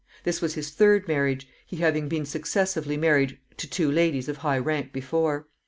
This was his third marriage, he having been successively married to two ladies of high rank before.